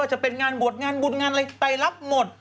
จะเป็นงานบวชงานบุญงานอะไรไปรับหมด